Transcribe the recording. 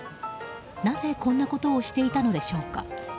なぜこんなことをしていたのでしょうか。